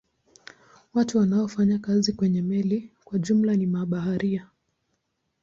Watu wanaofanya kazi kwenye meli kwa jumla ni mabaharia.